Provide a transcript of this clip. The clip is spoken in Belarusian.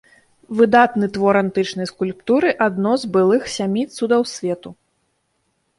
Выдатны твор антычнай скульптуры, адно з былых сямі цудаў свету.